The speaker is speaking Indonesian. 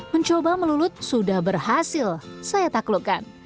mencoba melulut sudah berhasil saya tak lukan